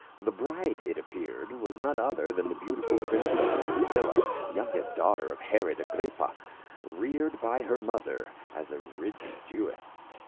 The bride, it appeared, was none other than the beau tiful princess Drusilla, youngest daughter of Herod Agrippa, reared by her mother as a rigid Jewess.